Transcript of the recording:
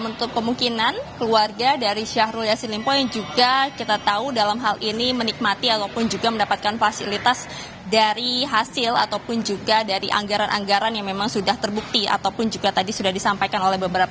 untuk kemudian kapan menjatuhkan